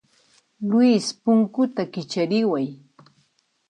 Luis, punkuta kichariway.